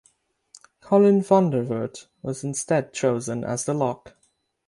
Colin van der Voort was instead chosen as the lock.